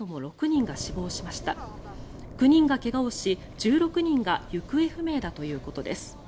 ９人が怪我をし、１６人が行方不明だということです。